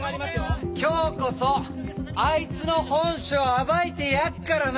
今日こそあいつの本性暴いてやっからな！